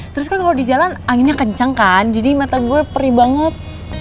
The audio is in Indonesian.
terus kan kalau di jalan anginnya kencang kan jadi mata gue perih banget